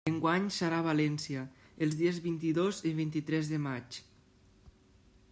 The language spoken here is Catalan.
Enguany serà a València, els dies vint-i-dos i vint-i-tres de maig.